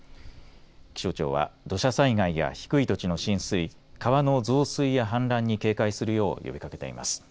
気象庁は土砂災害や低い土地の浸水川の増水やはん濫に警戒するよう呼びかけています。